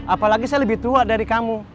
apalagi saya lebih tua dari kamu